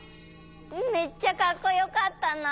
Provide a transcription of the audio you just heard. めっちゃかっこよかったな。